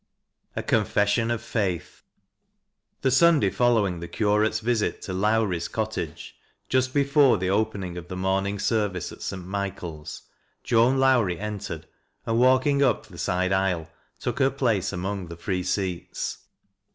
A CONFESSION OF FAITH, The Sunday f()l?owiiig the curate's visit to Lowrie's cot tage, just before the opening of the morning service al St. Michael's, Joan Lowrie entered, and walking up the side aisle, took her place among the free seats.